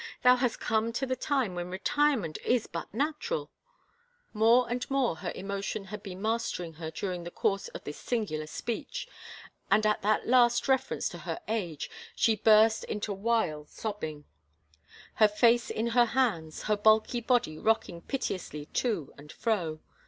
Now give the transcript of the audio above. Thou hast come to the time when retirement is but natural —" More and more her emotion had been mastering her during the course of this singular speech and at that last reference to her age she burst into wild sobbing, her face in her hands, her bulky body rocking piteously to and fro.